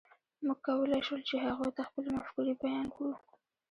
موږ کولی شول، چې هغوی ته خپلې مفکورې بیان کړو.